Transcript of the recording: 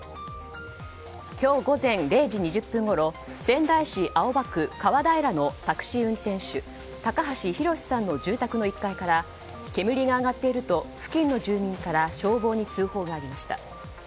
今日午前０時２０分ごろ仙台市青葉区川平のタクシー運転手高橋洋さんの住宅の１階から煙が上がっていると付近の住民から消防に通報がありました。